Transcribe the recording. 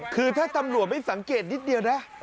คือถ้าตำรวจไม่สังเกตนิดเดียวนะ